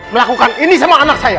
melakukan ini sama anak saya